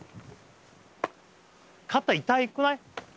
肩痛くない？